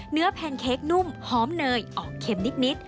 แพนเค้กนุ่มหอมเนยออกเข็มนิด